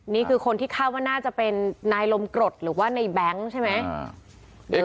นี่คือคนที่คาดว่าน่าจะเป็นนายลมกรดหรือว่าในแบงค์ใช่ไหม